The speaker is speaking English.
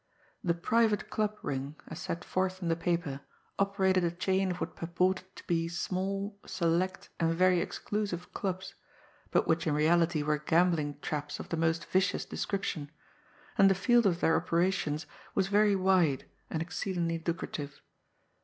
"The Private Club Ring," as set forth in the paper, operated a chain of what purported to be small, select and very exclusive clubs, but which in reality were gambling traps of the most vicious description and the field of their operations was very wide and exceedingly lucrative.